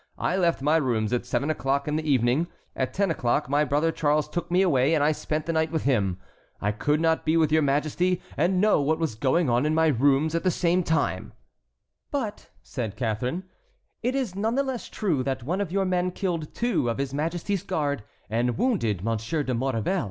I left my rooms at seven o'clock in the evening, at ten o'clock my brother Charles took me away, and I spent the night with him. I could not be with your Majesty and know what was going on in my rooms at the same time." "But," said Catharine, "it is none the less true that one of your men killed two of his Majesty's guards and wounded Monsieur de Maurevel."